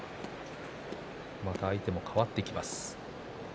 相手も変わってきます。